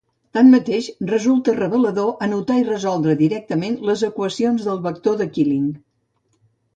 Tanmateix, resulta revelador anotar i resoldre directament les equacions del vector de Killing.